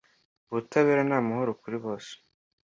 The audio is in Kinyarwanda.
ubutabera n’amahoro kuri bose